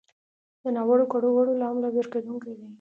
د ناوړو کړو وړو له امله ورکېدونکی دی.